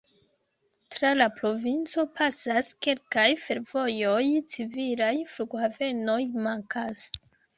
Tra la provinco pasas kelkaj fervojoj, civilaj flughavenoj mankas.